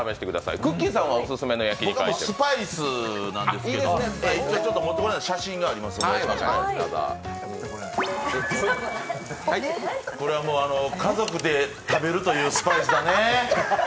僕はスパイスなんですけど、持ってこれないので写真でこれは家族で食べるというスパイスだね。